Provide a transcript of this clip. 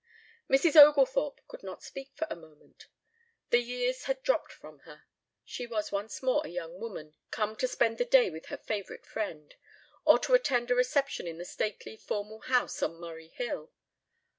Mrs. Oglethorpe could not speak for a moment. The years had dropped from her. She was once more a young woman come to spend the day with her favorite friend ... or to attend a reception in the stately formal house on Murray Hill